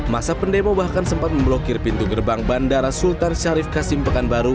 masa pendemo bahkan sempat memblokir pintu gerbang bandara sultan syarif kasim pekanbaru